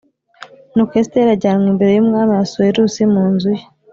Nuko Esiteri ajyanwa imbere y’Umwami Ahasuwerusi mu nzu ye